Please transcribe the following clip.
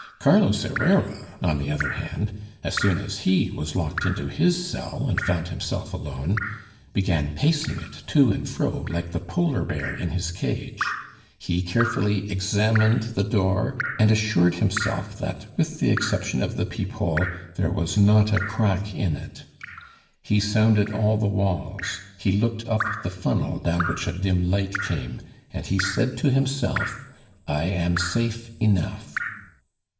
Carlos Herrera, on the other hand, as soon as he was locked into his cell and found himself alone, began pacing it to and fro like the polar bear in his cage. He carefully examined the door and assured himself that, with the exception of the peephole, there was not a crack in it. He sounded all the walls, he looked up the funnel down which a dim light came, and he said to himself, "I am safe enough!"